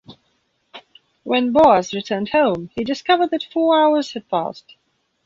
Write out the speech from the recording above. When Boas returned home, he discovered that four hours had passed.